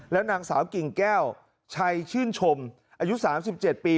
นางสาวกิ่งแก้วชัยชื่นชมอายุ๓๗ปี